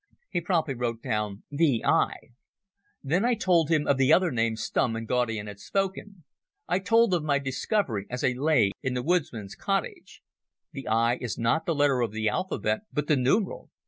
He promptly wrote down "v. I." Then I told them of the other name Stumm and Gaudian had spoken. I told of my discovery as I lay in the woodman's cottage. "The 'I' is not the letter of the alphabet, but the numeral.